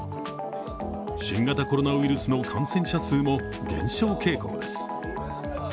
新型コロナウイルスの感染者数も減少傾向です。